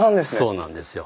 そうなんですよ。